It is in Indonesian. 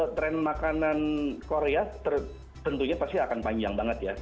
tren makanan korea tentunya pasti akan panjang banget ya